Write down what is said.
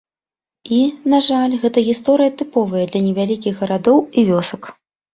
І, на жаль, гэтая гісторыя тыповая для невялікіх гарадоў і вёсак.